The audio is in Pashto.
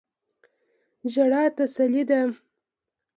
ژړا تسلی ده.